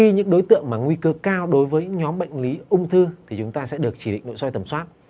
nguy cơ cao đối với nhóm bệnh lý ung thư thì chúng ta sẽ được chỉ định nội soi tầm soát